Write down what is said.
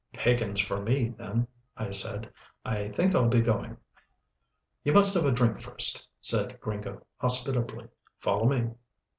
"Pagans for me then," I said. "I think I'll be going." "You must have a drink first," said Gringo hospitably. "Follow me."